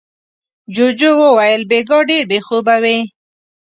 جوجو وويل: بېګا ډېر بې خوبه وې.